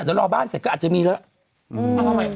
เดี๋ยวรอบ้านเสร็จก็อาจจะมีแล้ว